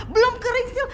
belum kering sil